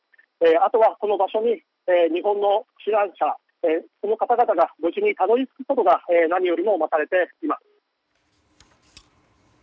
あとはこの場所に日本の避難者の方々が無事にたどり着くことが何よりも待たれています。